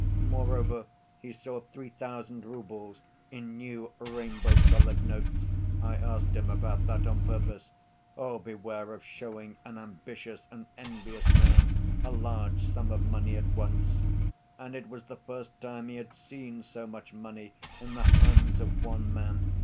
Moreover, he saw three thousand roubles in new rainbow‐colored notes. (I asked him about that on purpose.) Oh, beware of showing an ambitious and envious man a large sum of money at once! And it was the first time he had seen so much money in the hands of one man.